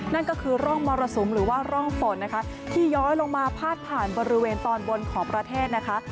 นั่นก็คือร่องมรสุมหรือว่าร่องฝนนะคะที่ย้อยลงมาพาดผ่านบริเวณตอนบนของประเทศนะคะ